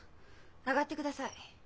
上がってください。